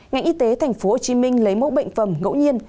ngành y tế tp hcm lấy mẫu bệnh phẩm ngẫu nhiên